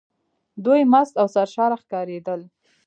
دوی مست او سرشاره ښکارېدل.